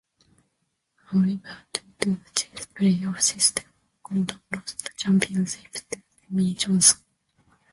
However, due to the Chase playoff system, Gordon lost the championship to Jimmie Johnson.